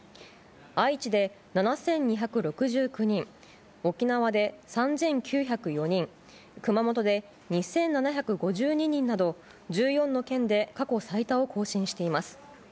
愛知で７２６９人、沖縄で３９０４人、熊本で２７５２人など、１４の県で過去最多を更新しています。